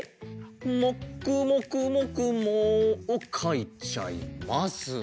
「もくもくもくも」をかいちゃいます。